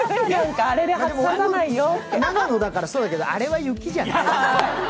長野もそうだけど、あれは雪じゃない。